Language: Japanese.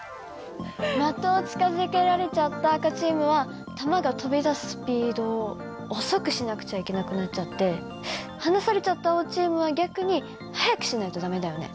的を近づけられちゃった赤チームは玉が飛び出すスピードを遅くしなくちゃいけなくなっちゃって離されちゃった青チームは逆に速くしないと駄目だよね。